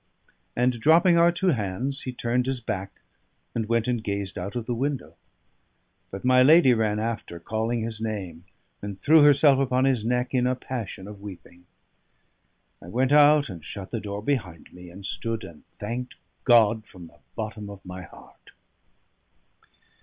And dropping our two hands, he turned his back and went and gazed out of the window. But my lady ran after, calling his name, and threw herself upon his neck in a passion of weeping. I went out and shut the door behind me, and stood and thanked God from the bottom of my heart.